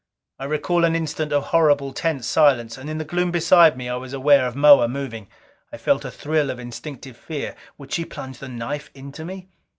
I recall an instant of horrible, tense silence, and in the gloom beside me I was aware of Moa moving. I felt a thrill of instinctive fear would she plunge that knife into me?